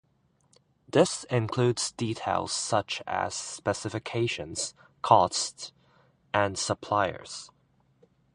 This includes details such as specifications, costs, and suppliers.